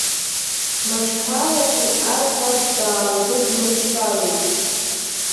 Машьқәалагьы аӡӷаб даалгәыдлыҳәҳәалеит.